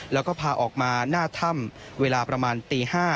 แล้วก็พาออกมาหน้าถ้ำเวลาประมาณตี๕